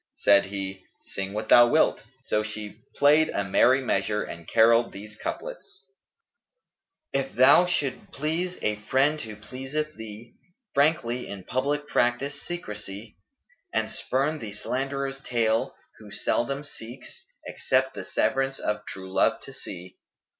Said he, "Sing what thou wilt;" so she played a merry measure and carolled these couplets, "If thou should please a friend who pleaseth thee * Frankly, in public practise secrecy. And spurn the slanderer's tale, who seldom[FN#222] * seeks Except the severance of true love to see.